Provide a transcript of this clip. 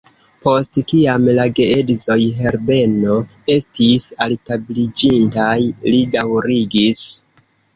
Post kiam la geedzoj Herbeno estis altabliĝintaj, li daŭrigis: